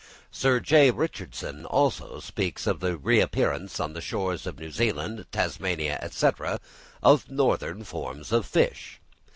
Sir J. Richardson, also, speaks of the reappearance on the shores of New Zealand, Tasmania, &c., of northern forms of fish.